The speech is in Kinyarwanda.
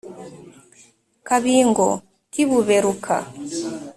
Kabingo k'i Buberuka